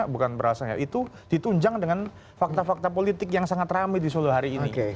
bukan berasanya itu ditunjang dengan fakta fakta politik yang sangat rame di solo hari ini